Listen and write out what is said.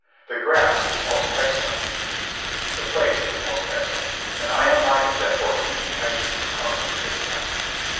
"The grass is most excellent," he teased, "the place is most excellent, and I am minded that Fortini has you for company this night."